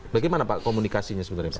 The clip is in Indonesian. bagaimana pak komunikasinya sebenarnya